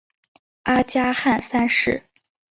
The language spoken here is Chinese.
阿加汗三世。